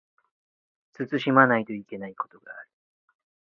慎まないといけないことがある